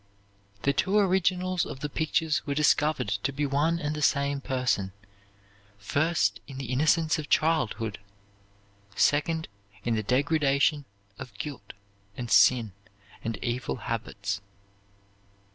The two originals of the pictures were discovered to be one and the same person, first, in the innocence of childhood! second, in the degradation of guilt and sin and evil habits.